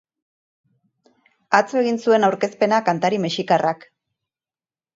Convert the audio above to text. Atzo egin zuen aurkezpena kantari mexikarrak.